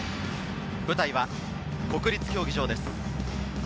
舞台は国立競技場です。